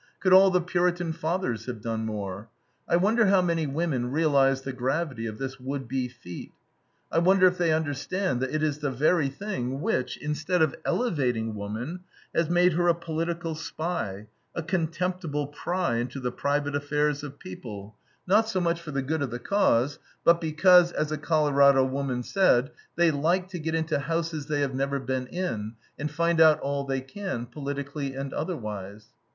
Could all the Puritan fathers have done more? I wonder how many women realize the gravity of this would be feat. I wonder if they understand that it is the very thing which, instead of elevating woman, has made her a political spy, a contemptible pry into the private affairs of people, not so much for the good of the cause, but because, as a Colorado woman said, "they like to get into houses they have never been in, and find out all they can, politically and otherwise."